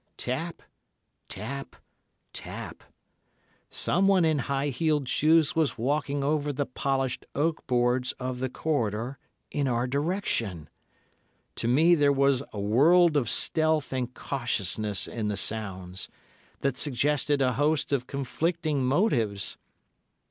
"Tap, tap, tap; someone in high heeled shoes was walking over the polished oak boards of the corridor in our direction. To me there was a world of stealth and cautiousness in the sounds, that suggested a host of conflicting motives.